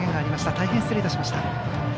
大変失礼いたしました。